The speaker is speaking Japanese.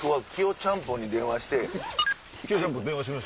ちゃんぽん電話します。